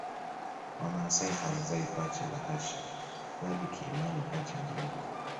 Wamasai hawazai pacha la hasha bali kiimani pacha ni mwiko